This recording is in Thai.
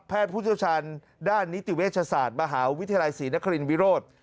แพทย์ผู้โชชันด้านนิติเวชศาสตร์มหาวิทยาลัยศรีนครินวิโรธ